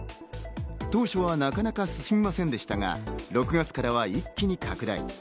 当初はなかなか進みませんでしたが、６月からは一気に拡大。